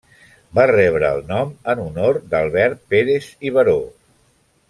Va rebre el nom en honor d'Albert Pérez i Baró.